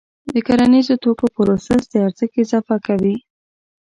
د کرنیزو توکو پروسس د ارزښت اضافه کوي.